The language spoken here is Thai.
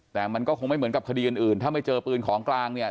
แต่มันก็คงไม่เหมือนกับคดีอื่นถ้าไม่เจอปืนของกลางเนี่ย